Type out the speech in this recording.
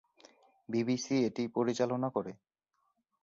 BBC এটি পরিচালনা করে।